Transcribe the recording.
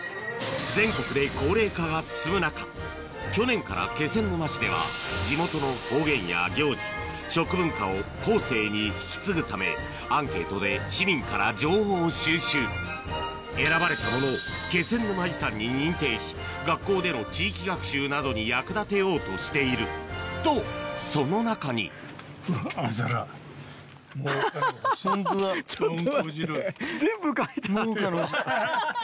全国で高齢化が進む中去年から気仙沼市では地元の方言や行事食文化を後世に引き継ぐためアンケートで市民から情報を収集選ばれたものをけせんぬま遺産に認定し学校での地域学習などに役立てようとしているとその中にハハハハ！